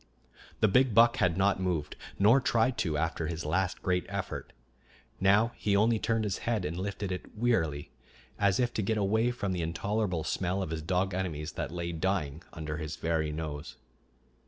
The big buck had not moved, nor tried to, after his last great effort. Now he only turned his head and lifted it wearily, as if to get away from the intolerable smell of his dog enemies that lay dying under his very nose.